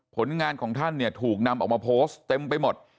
ผลงานของท่านเนี่ยถูกนำออกมาโพสต์เต็มไปหมด